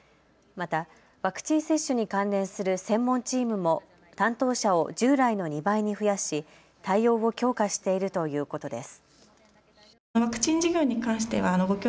またワクチン接種に関連する専門チームも、担当者を従来の２倍に増やし対応を強化しているということです。